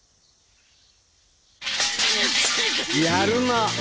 やるな！